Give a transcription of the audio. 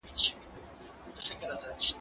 اوبه د زهشوم لخوا څښل کېږي؟!